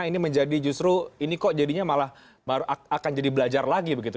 ini menjadi justru ini kok jadinya malah akan jadi belajar lagi begitu